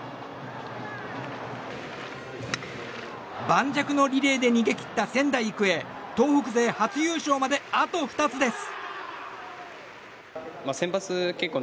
盤石のリレーで逃げ切った仙台育英東北勢初優勝まであと２つです。